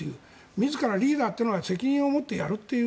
自らリーダーというのは責任を持ってやるという。